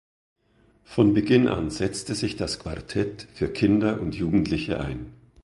Von Beginn an setzte sich das Quartett für Kinder und Jugendliche ein.